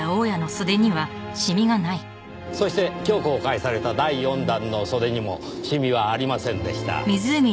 そして今日公開された第４弾の袖にもシミはありませんでした。